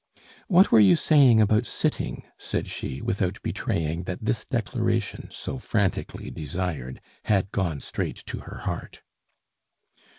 "What were you saying about sitting?" said she, without betraying that this declaration, so frantically desired, had gone straight to her heart.